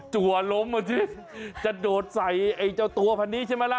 ตัวล้มเหมือนที่จะโดดใส่ไอ้เจ้าตัวพันธ์นี้ใช่ไหมล่ะ